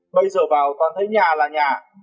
bây giờ vào toàn thấy nhà là nhà